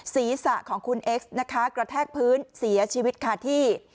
ศีรษะของคุณเอ็กซ์นะคะกระแทกพื้นเสียชีวิตค่ะที่